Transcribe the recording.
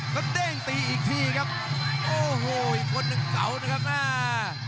แล้วเด้งตีอีกทีครับโอ้โหอีกคนหนึ่งเก่านะครับแม่